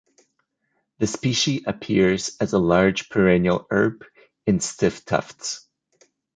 The specie appears as a large perennial herb in stiff tufts.